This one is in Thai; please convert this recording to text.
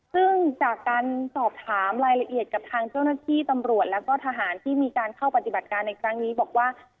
ซึ่งจากการสอบถามรายละเอียดกับทางเจ้าหน้าที่ตำรวจแล้วก็ทหารที่มีการเข้าปฏิบัติการในครั้งนี้บอกว่า